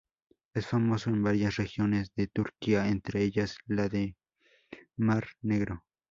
Es famoso en varias regiones de Turquía, entre ellas la de Mar Negro.